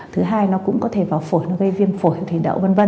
thứ hai nó cũng có thể vào phổi nó gây viêm phổi thủy đậu v v